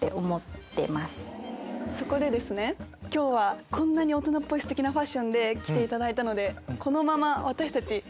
そこで今日はこんなにオトナっぽいすてきなファッションで来ていただいたのでこのまま私たち。